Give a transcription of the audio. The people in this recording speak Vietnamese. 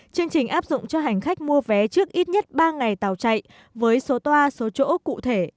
chương trình áp dụng cho hành khách mua vé trước ít nhất ba ngày tàu chạy với số toa số chỗ cụ thể